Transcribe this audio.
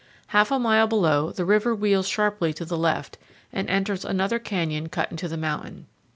Half a mile below, the river wheels sharply to the left and enters another canyon cut into the mountain.